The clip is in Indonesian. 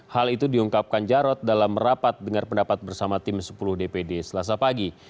hal itu diungkapkan jarod dalam merapat dengar pendapat bersama tim sepuluh dpd selasa pagi